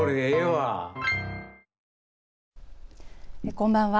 こんばんは。